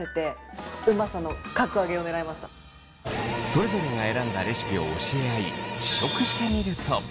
それぞれが選んだレシピを教え合い試食してみると。